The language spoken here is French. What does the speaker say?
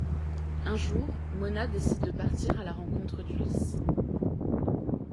Un jour, Mona décide de partir à la rencontre d’Ulysse.